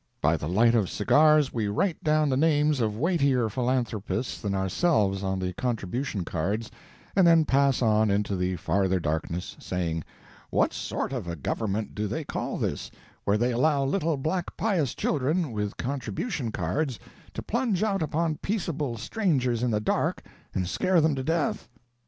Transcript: By the light of cigars we write down the names of weightier philanthropists than ourselves on the contribution cards, and then pass on into the farther darkness, saying, What sort of a government do they call this, where they allow little black pious children, with contribution cards, to plunge out upon peaceable strangers in the dark and scare them to death?